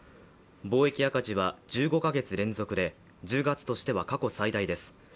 貿易赤字は１５か月連続で１０月としては過去最大です。